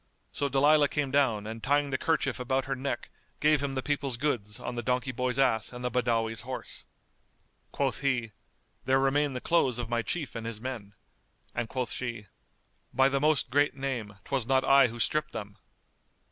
So Dalilah came down and tying the kerchief about her neck gave him the people's goods on the donkey boy's ass and the Badawi's horse. Quoth he, "There remain the clothes of my Chief and his men"; and quoth she, "By the Most Great Name, 'twas not I who stripped them!"